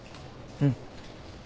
うん。